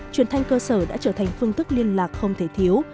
truyền thanh cơ sở đã trở thành phương thức liên lạc không thể thiếu